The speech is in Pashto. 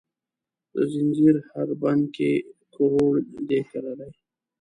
د ځنځیر هر بند کې کروړو دي کرلې،